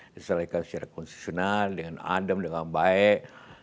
diselesaikan secara konstitusional dengan adem dengan baik